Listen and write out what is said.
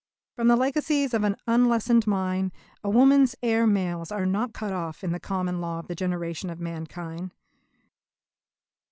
From the legacies of an unlessoned mind, a woman's heirs male are not cut off in the Common Law of the generations of mankind.